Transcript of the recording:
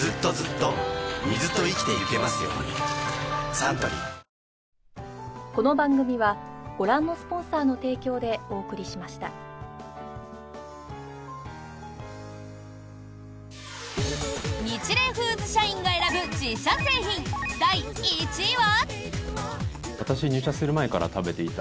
サントリーニチレイフーズ社員が選ぶ自社製品、第１位は？